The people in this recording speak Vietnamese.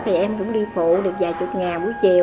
thì em cũng đi phụ được vài chục ngày buổi chiều